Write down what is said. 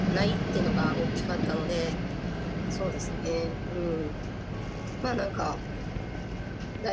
そうですねうん。